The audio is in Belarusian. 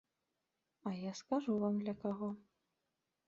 А я скажу вам, для каго.